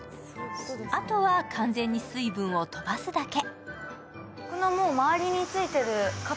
あとは完全に水分を飛ばすだけ。